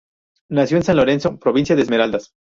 Nació en San Lorenzo, provincia de Esmeraldas.